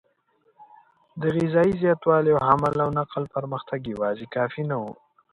د غذایي زیاتوالي او حمل او نقل پرمختګ یواځې کافي نه و.